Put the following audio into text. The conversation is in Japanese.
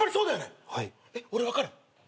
俺分かる？